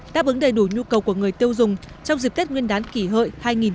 đáp ứng đầy đủ nhu cầu của người tiêu dùng trong dịp tết nguyên đán kỷ hợi hai nghìn một mươi chín